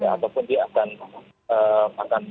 ataupun dia akan menggunakan